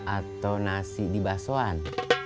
atau nasi di basoan